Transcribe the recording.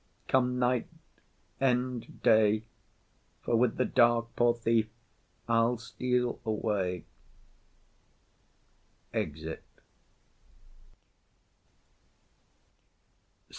Come, night; end, day; For with the dark, poor thief, I'll steal away. [_Exit.